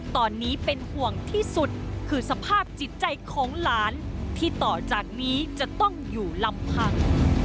ตอนนี้เป็นห่วงที่สุดคือสภาพจิตใจของหลานที่ต่อจากนี้จะต้องอยู่ลำพัง